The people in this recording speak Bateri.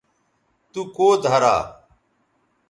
تو کوؤ دھرا